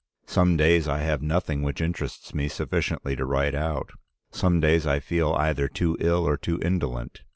Some days I have nothing which interests me sufficiently to write out, some days I feel either too ill or too indolent.